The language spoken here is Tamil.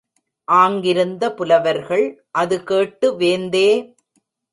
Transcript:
ஆங்கிருந்த புலவர்கள் அது கேட்டு, வேந்தே!